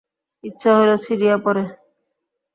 ইচ্ছা হইল ছিঁড়িয়া পড়ে।